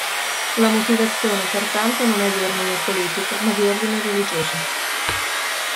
La motivazione pertanto non è di ordine politico, ma di ordine religioso.